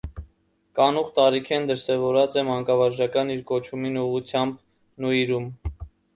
Կանուխ տարիքէն դրսեւորած է մանկավարժական իր կոչումին ուղղութեամբ նուիրում։